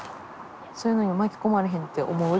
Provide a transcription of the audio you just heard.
そういうのに巻き込まれへんって思う？